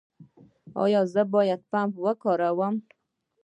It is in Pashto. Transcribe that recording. ایا زه باید پمپ وکاروم؟